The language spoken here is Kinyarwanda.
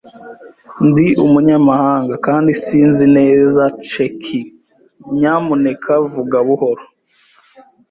Ndi umunyamahanga kandi sinzi neza Ceki. Nyamuneka, vuga buhoro.